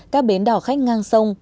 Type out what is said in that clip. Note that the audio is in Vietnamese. các bến đỏ khách ngang sông